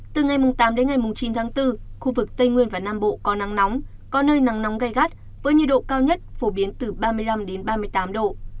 từ ngày tám đến ngày chín tháng bốn khu vực tây nguyên và nam bộ có nắng nóng có nơi nắng nóng gai gắt với nhiệt độ cao nhất phổ biến từ ba mươi năm ba mươi tám độ